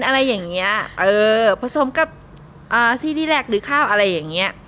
อะไรอย่างเงี้ยเออผสมกับอ่าซีรีสแลกหรือข้าวอะไรอย่างเงี้ย